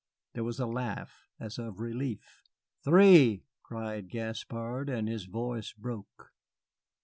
There was a laugh, as of relief. "Three!" cried Gaspard, and his voice broke.